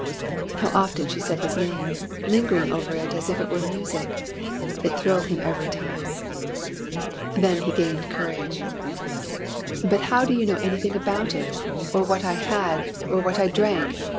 How often she said his name! lingering over it as if it were music. It thrilled him every time. Then he gained courage. "But how did you know anything about it or what I had or what I drank?